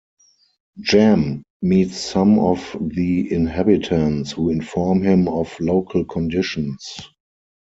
Jam meets some of the inhabitants, who inform him of local conditions.